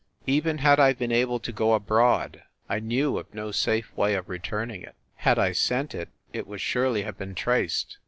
Even had I been able to go abroad I knew of no safe way of returning it. Had I sent it, it would surely have been traced.